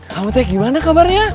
kamu teh gimana kabarnya